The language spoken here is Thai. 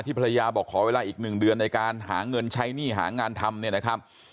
ภรรยาบอกขอเวลาอีก๑เดือนในการหาเงินใช้หนี้หางานทำเนี่ยนะครับ